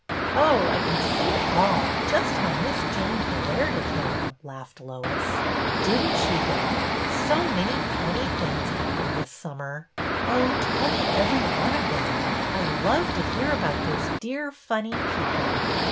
" "Oh, I can see it all, just how Miss Jane glared at him !" laughed Lois. " Did n't she, though ! So many funny things happened this summer." " Oh, tell me every one of them. I love to hear about those dear, funny people."